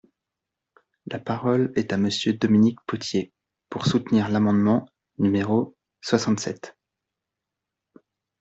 La parole est à Monsieur Dominique Potier, pour soutenir l’amendement numéro soixante-sept.